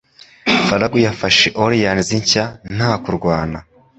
Farragut yafashe Orleans Nshya nta kurwana.